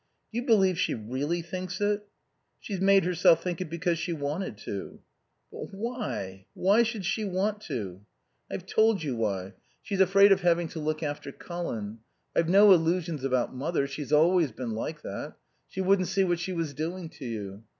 "Do you believe she really thinks it?" "She's made herself think it because she wanted to." "But why why should she want to?" "I've told you why. She's afraid of having to look after Colin. I've no illusions about mother. She's always been like that. She wouldn't see what she was doing to you.